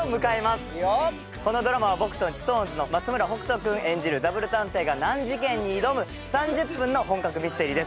このドラマは僕とＳｉｘＴＯＮＥＳの松村北斗君演じるダブル探偵が難事件に挑む３０分の本格ミステリーです。